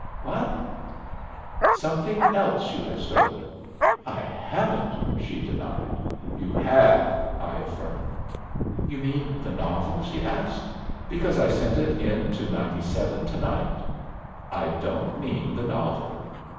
"What?" "Something else you have stolen." "I haven't," she denied. "You have," I affirmed. "You mean the novel?" she asked; "because I sent it in to 97 to night." "I don't mean the novel."